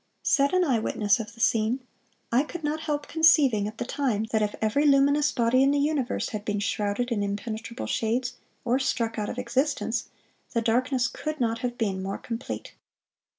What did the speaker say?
(487) Said an eye witness of the scene: "I could not help conceiving at the time, that if every luminous body in the universe had been shrouded in impenetrable shades, or struck out of existence, the darkness could not have been more complete."